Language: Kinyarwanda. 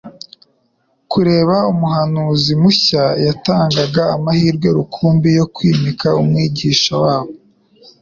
kureba umuhanuzi mushya yatangaga amahirwe rukumbi yo kwimika Umwigisha wabo